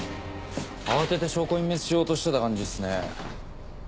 慌てて証拠隠滅しようとしてた感じっすね。